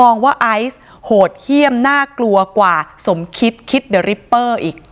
มองว่าไอซ์โหดเฮี่ยมน่ากลวกว่าสมคิดคิดอีก